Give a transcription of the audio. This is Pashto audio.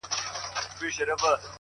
راكيټونو دي پر ما باندي را اوري _